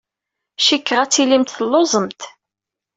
Cikkeɣ ad tilimt telluẓemt.